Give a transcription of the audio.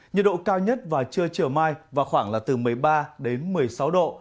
nhiệt độ cao nhất và chưa trở mai và khoảng là từ một mươi ba đến một mươi sáu độ